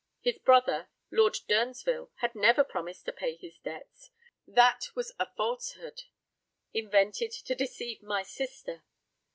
His brother, Lord Durnsville, had never promised to pay his debts. That was a falsehood invented to deceive my sister.